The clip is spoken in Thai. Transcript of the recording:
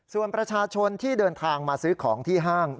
ส่วนประชาชนที่เดินทางมาซื้อของที่ห้าง